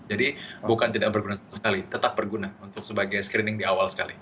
jadi bukan tidak berguna sekali tetap berguna untuk sebagai screening di awal sekali